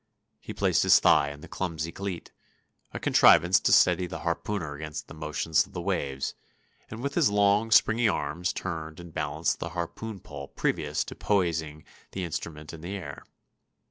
He placed his thigh in the clumsy cleat,—a contrivance to steady the harpooner against the motions of the waves,— and with his long, springy arms turned and balanced the harpoon pole previous to poising the instrument in the air....